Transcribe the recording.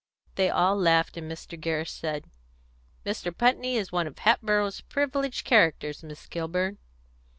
They all laughed, and Mr. Gerrish said, "Mr. Putney is one of Hatboro's privileged characters, Miss Kilburn."